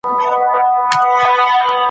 ناځوانه برید وسو `